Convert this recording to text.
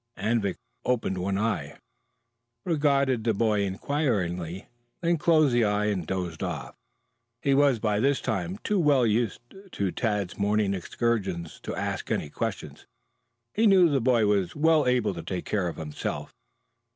Anvik opened one eye, regarded the boy inquiringly, then closing the eye, dozed off. He was by this time too well used to Tad's morning excursions to ask any questions. He knew the boy was well able to take care of himself.